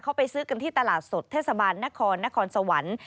เขาไปซื้อกันที่ตลาดสดเทศบาลนครนครสวรรค์